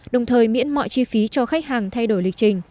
để chú ý cho khách hàng thay đổi lịch trình